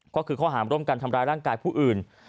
ข้อหา๐บริการทำรายร่างกายผู้อื่น